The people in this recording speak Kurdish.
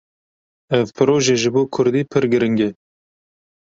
Ev proje ji bo Kurdî pir giring e.